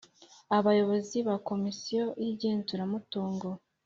Abayobozi ba Komisiyo y igenzuramutungo